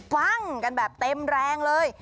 ฟังกันแบบเต็มแรงเลย